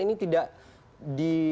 ini tidak di